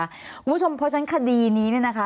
คุณผู้ชมเพราะฉะนั้นคดีนี้เนี่ยนะคะ